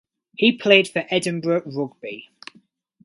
He played for Edinburgh Rugby.